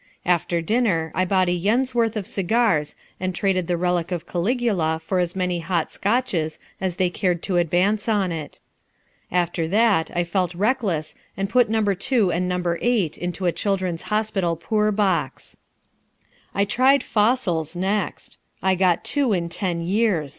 After dinner I bought a yen's worth of cigars and traded the relic of Caligula for as many hot Scotches as they cared to advance on it. After that I felt reckless and put No. 2 and No. 8 into a Children's Hospital poor box. I tried fossils next. I got two in ten years.